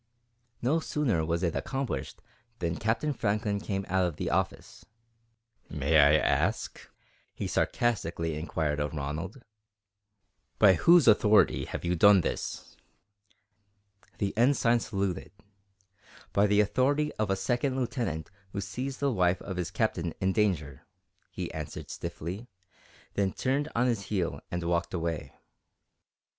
No sooner was it accomplished than Captain Franklin came out of the offices. "May I ask," he sarcastically inquired of Ronald, "by whose authority you have done this?" The Ensign saluted. "By the authority of a Second Lieutenant who sees the wife of his Captain in danger," he answered stiffly, then turned on his heel and walked away.